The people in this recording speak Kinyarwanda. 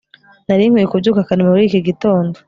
nari nkwiye kubyuka kare muri iki gitondo